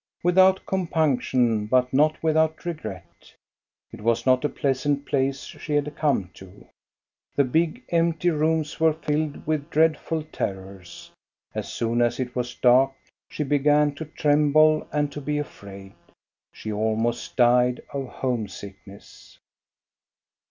Without compunction, but not without regret. It was not a pleasant place she had come to ; the big, empty rooms were filled with dreadful terrors. As soon as it was dark she began to tremble and to be afraid. She almost died of homesickness.